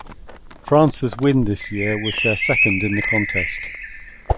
France's win this year was their second in the contest.